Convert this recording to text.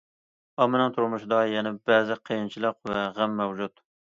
ئاممىنىڭ تۇرمۇشىدا يەنە بەزى قىيىنچىلىق ۋە غەم مەۋجۇت.